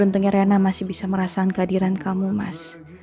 saya ingin riana masih bisa merasakan kehadiran kamu mas